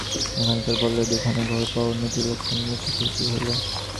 একখানার বদলে দুখানা ঘর পাওয়া উন্নতির লক্ষণ, মতি খুশি হইল।